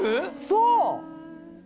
そう！